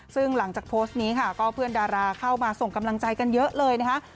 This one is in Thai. ซึ่งหลังจากโพสต์นี้ค่ะก็เพื่อนดาราเข้ามาส่งกำลังใจกันเยอะเลยนะคะ